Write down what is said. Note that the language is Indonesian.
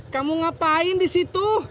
kamu ngapain disitu